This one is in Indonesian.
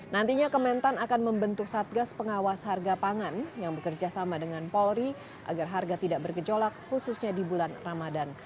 nantinya kementan akan membentuk satgas pengawas harga pangan yang bekerja sama dengan polri agar harga tidak bergejolak khususnya di bulan ramadan